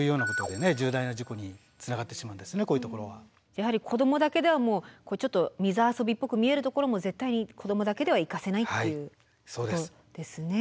やはり子どもだけではこういうちょっと水遊びっぽく見えるところも絶対に子どもだけでは行かせないっていうことですね。